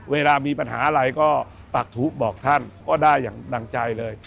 เวลามีปัญหาอะไรก็ปักทุบอกท่านก็ได้อย่างดังใจเลย